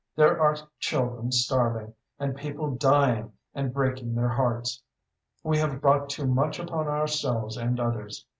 There are children starving, and people dying and breaking their hearts. We have brought too much upon ourselves and others.